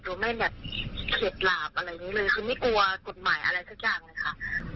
โดยไม่แบบเข็ดหลาบอะไรนี้เลยคือไม่กลัวกฎหมายอะไรสักอย่างเลยค่ะ